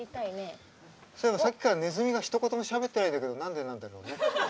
そういえばさっきからねずみがひと言もしゃべってないけど何でなんだろうね。